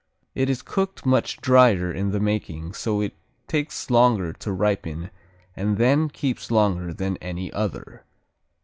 It is cooked much dryer in the making, so it takes longer to ripen and then keeps longer than any other.